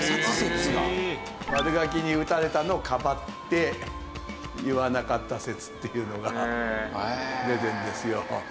悪ガキに撃たれたのをかばって言わなかった説っていうのが出てるんですよ。